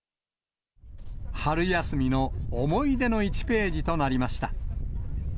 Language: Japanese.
春休みの思い出の１ページとなりました。